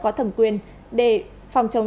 có thẩm quyền để phòng chống